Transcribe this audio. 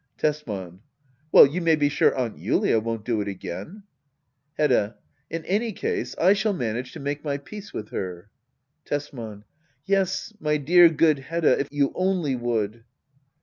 Tesman. Well you may be sure Aunt Julia won't do it again. Hedda. In any case^ I shall manage to make my peace with her. Tesman. Yes^ my dear^ good Hedda^ if you only would